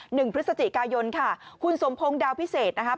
หนึ่งพฤศจิกายนค่ะคุณสมพงศ์ดาวพิเศษนะครับ